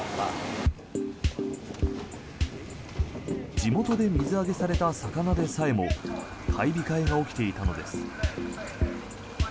地元で水揚げされた魚でさえも買い控えが起きていたのです。